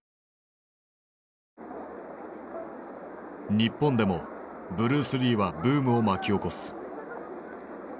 日本でもブルース・リーはブームを巻き起こす。